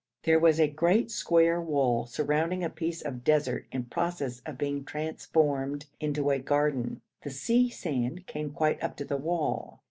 There was a great square wall surrounding a piece of desert in process of being transformed into a garden; the sea sand came quite up to the wall.